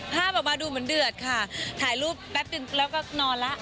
ภาพออกมาดูเหมือนเดือดค่ะถ่ายรูปแป๊บนึงแล้วก็นอนแล้ว